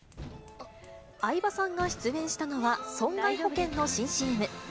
相葉さんが出演したのは、損害保険の新ＣＭ。